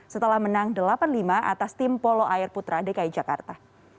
setelah menang delapan lima atas tim polo air putra dki jakarta